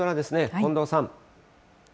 近藤さん。